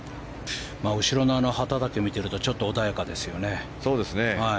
後ろの旗だけ見てるとちょっと穏やかですよね。